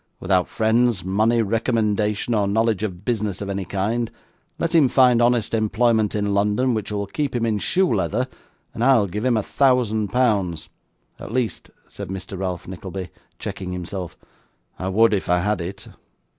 Without friends, money, recommendation, or knowledge of business of any kind, let him find honest employment in London, which will keep him in shoe leather, and I'll give him a thousand pounds. At least,' said Mr Ralph Nickleby, checking himself, 'I would if I had it.